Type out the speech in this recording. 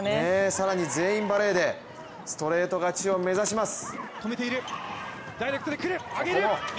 更に全員バレーでストレート勝ちを目指します。